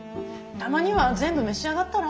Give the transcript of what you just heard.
たまには全部召し上がったら？